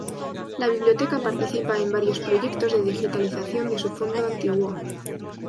La biblioteca participa en varios proyectos de digitalización de su fondo antiguo.